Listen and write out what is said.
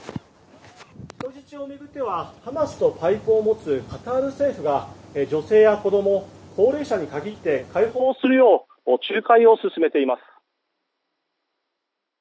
人質を巡ってはハマスとパイプを持つカタール政府が女性や子ども、高齢者に限って解放するよう仲介を進めています。